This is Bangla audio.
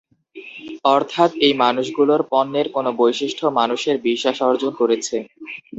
অর্থাৎ এই দেশগুলোর পণ্যের কোন বৈশিষ্ট্য মানুষের বিশ্বাস অর্জন করেছে।